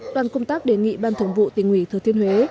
đoàn công tác đề nghị ban thường vụ tỉnh ủy thừa thiên huế